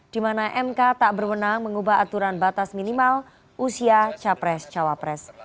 di mana mk tak berwenang mengubah aturan batas minimal usia capres cawapres